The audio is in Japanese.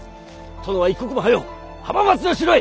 殿は一刻も早う浜松の城へ！